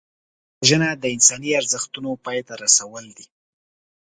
وژنه د انساني ارزښتونو پای ته رسول دي